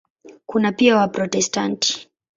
Kuna pia Waprotestanti.